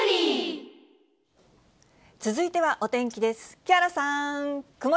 続いてはお天気です。